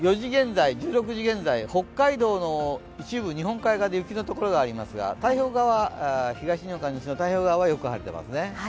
１６時現在、北海道の一部、日本海側で雪の所がありますが東日本から西日本の太平洋側はよく晴れています。